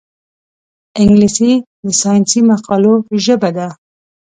انګلیسي د ساینسي مقالو ژبه ده